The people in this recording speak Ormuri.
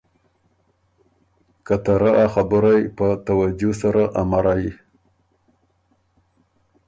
که ته رۀ ا خبُرئ په توجھ سره امرئ۔